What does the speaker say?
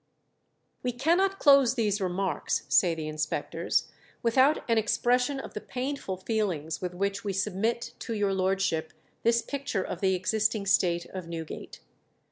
"We cannot close these remarks," say the inspectors, "without an expression of the painful feelings with which we submit to your Lordship this picture of the existing state of Newgate.